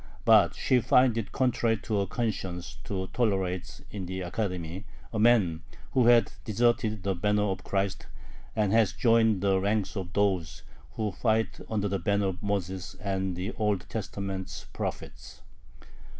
But she finds it contrary to her conscience to tolerate in the Academy a man who has deserted the banner of Christ, and has joined the ranks of those who fight under the banner of Moses and the Old Testament prophets."